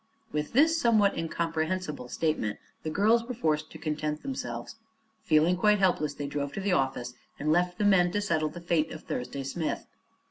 With this somewhat incomprehensible statement the girls were forced to content themselves. Feeling quite helpless, they drove to the office and left the men to settle the fate of Thursday Smith.